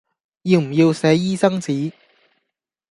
要唔要寫醫生紙